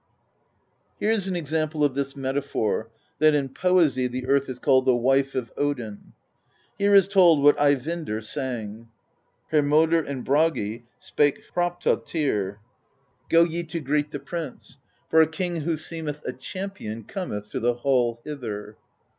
Here is an example of this metaphor, that in poesy the earth is called the Wife of Odin. Here is told what Ey vindr sang: Hermodr and Bragi, Spake Hropta Tyr, 100 PROSE EDDA Go ye to greet the Prince; For a king who seemeth A champion cometh To the hall hither.